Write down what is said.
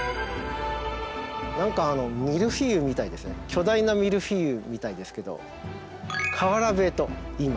巨大なミルフィーユみたいですけど瓦塀といいます。